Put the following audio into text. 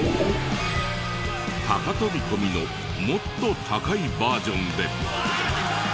高飛び込みのもっと高いバージョンで。